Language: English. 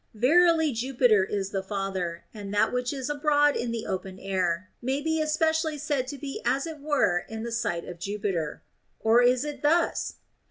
Verily Jupiter is the father, and that which is abroad in the open air may be especially said to be as it were in the sight of Jupiter. Or is it tl ills'?